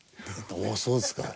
「おおそうですか」